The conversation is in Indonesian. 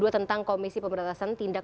dua ribu dua tentang komisi pemberatasan tindak